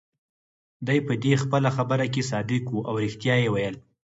دی په دې خپله خبره کې صادق وو، او ريښتیا يې ویل.